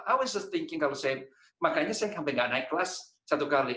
saya berpikir makanya saya sampai tidak naik kelas satu kali